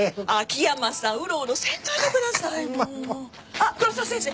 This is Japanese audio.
あっ黒沢先生！